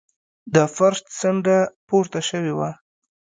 د فرش څنډه پورته شوې وه.